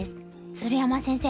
鶴山先生